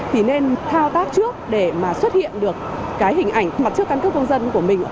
thì nên thao tác trước để mà xuất hiện được cái hình ảnh mặc trước căn cước công dân của mình